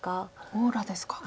オーラですか。